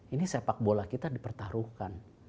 ini sepak bola kita dipertaruhkan